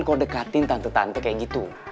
kau dekatin tante tante kayak gitu